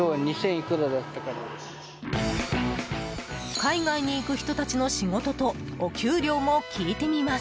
海外に行く人たちの仕事とお給料も聞いてみます。